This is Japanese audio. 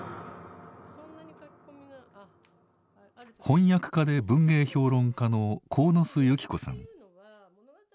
翻訳家で文芸評論家の鴻巣友季子さん。